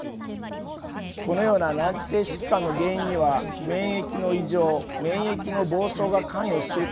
このような難治性疾患の原因には免疫の異常免疫の暴走が関与するとされています。